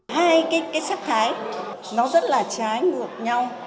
hai cái sắc thái nó rất là trái ngược nhau